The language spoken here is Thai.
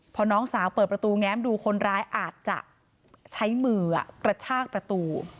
พอน้องสาวเปิดประตูแง้มดูคนร้ายอาจจะใช้มือกระชากประตู